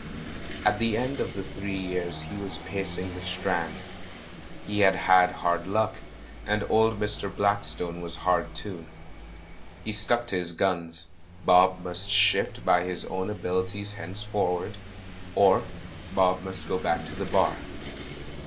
At the end of the three years he was pacing the Strand. He had had hard luck, and old Mr. Blackstone was hard too. He stuck to his gims; Bob must shift by his own abilities henceforward, or Bob must go back to the Bar.